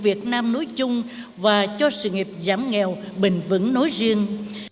để việt nam nối chung và cho sự nghiệp giảm nghèo bền vững nối riêng